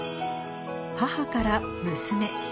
母から娘。